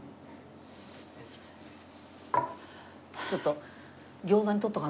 ちょっと。